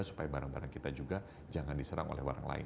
supaya barang barang kita juga jangan diserang oleh orang lain